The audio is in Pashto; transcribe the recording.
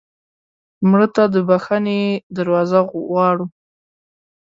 مړه ته د بښنې دروازه غواړو